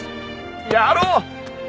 やろう！